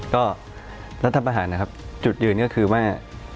ก็รัฐประหารนะครับจุดยืนก็คือว่า